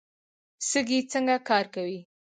سږي څنګه کار کوي؟